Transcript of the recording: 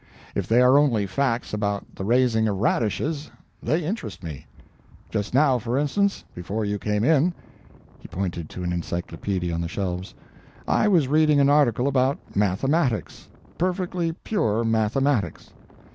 If they are only facts about the raising of radishes, they interest me. Just now, for instance, before you came in"—he pointed to an encyclopµdia on the shelves—"I was reading an article about 'Mathematics.' Perfectly pure mathematics.